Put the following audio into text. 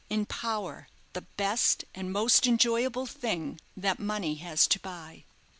In power the best and most enjoyable thing that money has to buy."